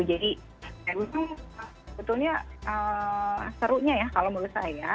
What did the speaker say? jadi sebetulnya serunya ya kalau menurut saya